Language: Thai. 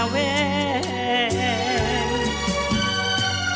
ขอโชคดีค่ะ